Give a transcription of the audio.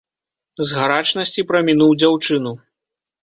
З гарачнасці прамінуў дзяўчыну.